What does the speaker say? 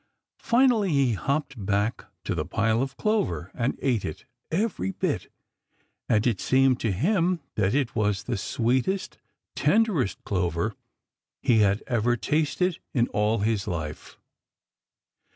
Finally he hopped back to the pile of clover and ate it, every bit, and it seemed to him that it was the sweetest, tenderest clover he had ever tasted in all his life.